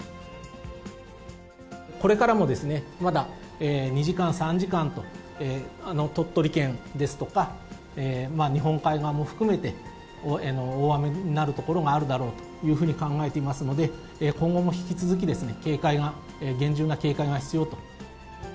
これからも、まだ２時間、３時間と鳥取県ですとか、まあ日本海側も含めて、大雨になる所があるだろうというふうに考えていますので、今後も引き続き、警戒が、厳重な警戒が必要と。